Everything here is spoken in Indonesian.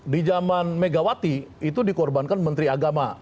di zaman megawati itu dikorbankan menteri agama